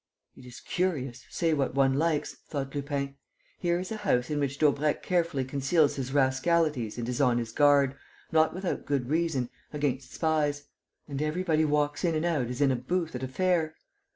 "It's curious, say what one likes," thought Lupin. "Here is a house in which Daubrecq carefully conceals his rascalities and is on his guard, not without good reason, against spies; and everybody walks in and out as in a booth at a fair.